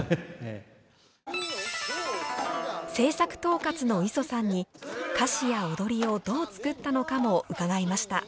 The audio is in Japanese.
制作統括の磯さんに歌詞や踊りをどう作ったのかも伺いました。